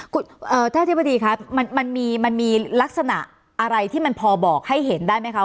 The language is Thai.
คุณท่านอธิบดีคะมันมีลักษณะอะไรที่มันพอบอกให้เห็นได้ไหมคะ